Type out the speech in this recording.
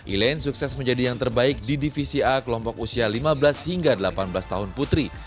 elaine sukses menjadi yang terbaik di divisi a kelompok usia lima belas hingga delapan belas tahun putri